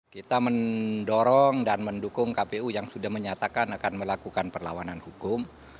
kita mendorong dan mendukung kpu yang sudah menyatakan akan melakukan perlawanan hukum